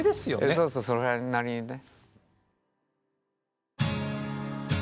そうそうそれなりにね。